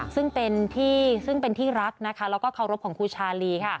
ซึ่งเป็นที่รักและเคารพของครูชาลี